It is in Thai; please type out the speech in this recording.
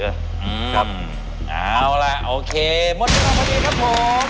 อืมเอาละโอเคหมดแล้วครับผม